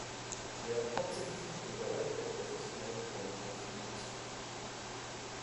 Sie werden hauptsächlich im Bereich der professionellen Pornographie ausgeübt.